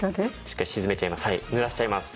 しっかり沈めちゃいます。